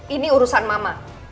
ini urusan mama